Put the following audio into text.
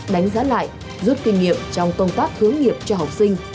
đánh giá lại rút kinh nghiệm trong công tác hướng nghiệp cho học sinh